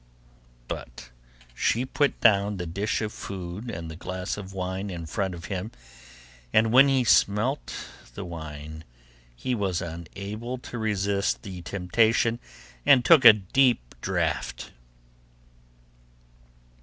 But she put down the dish of food and the glass of wine in front of him, and when he smelt the wine, he was unable to resist the temptation, and took a deep draught.